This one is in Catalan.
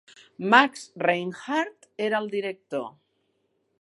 Max Reinhardt era el director.